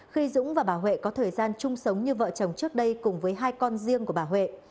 khi dũng và bà huệ có thời gian chung sống như vợ chồng trước đây cùng với hai con riêng của bà huệ